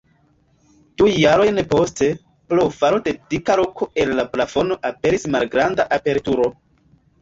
Du jarojn poste, pro falo de dika roko el la plafono, aperis malgranda aperturo.